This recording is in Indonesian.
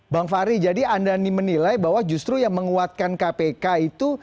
bang fahri jadi anda menilai bahwa justru yang menguatkan kpk itu